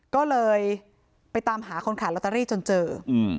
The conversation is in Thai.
ก็เลยไปตามหาคนขายลอตเตอรี่จนเจออืม